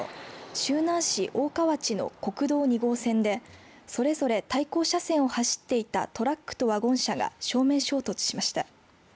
周南市大河内の国道２号線でそれぞれ対向車線を走っていたトラックとワゴン車が正面衝突しました。